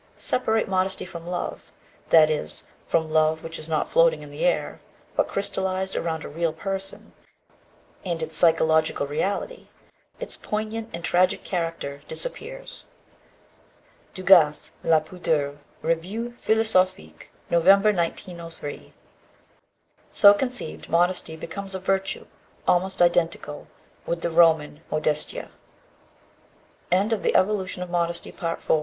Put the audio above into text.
Separate modesty from love, that is, from love which is not floating in the air, but crystallized around a real person, and its psychological reality, its poignant and tragic character, disappears." (Dugas, "La Pudeur," Revue Philosophique, Nov., 1903.) So conceived, modesty becomes a virtue, almost identical with the Roman modestia. FOOTNOTES: Freud remarks that one may often hear, concerni